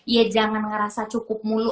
ya jangan ngerasa cukup mulu